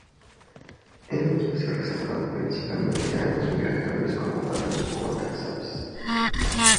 Es un espacio reservado principalmente a aves migratorias como patos u otras aves.